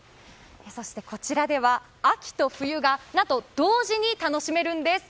そしてこちらでは、秋と冬が何と同時に楽しめるんです。